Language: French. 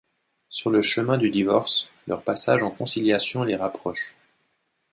Sur le chemin du divorce, leur passage en conciliation les rapproche.